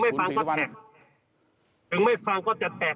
ถึงไม่ฟังก็จะแตก